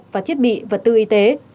và thiết bị vật tư y tế